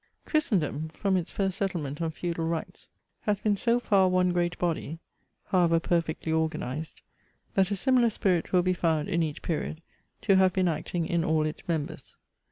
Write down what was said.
Christendom, from its first settlement on feudal rights, has been so far one great body, however imperfectly organized, that a similar spirit will be found in each period to have been acting in all its members.